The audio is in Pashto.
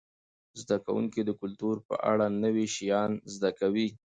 زده کوونکي د کلتور په اړه نوي شیان زده کوي.